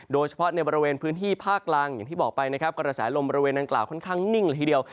โดยเฉพาะในบริเวณพื้นที่ภาคล่างอย่างที่บอกไปนะครับกระแสลมบริเวณดังกล่าวค่อนข้างนิ่งเลยทีเดียว